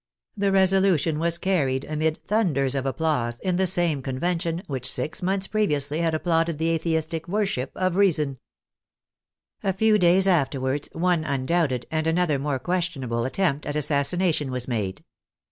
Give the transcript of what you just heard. The resolution was carried amid thunders of applause in the same Convention which six THE RULE OF ROBESPIERRE 87 months previously had applauded the atheistic worship of Reason. A few days afterwards, one undoubted, and another more questionable, attempt at assassination was made.